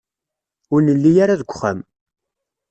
Ur nelli ara deg uxxam.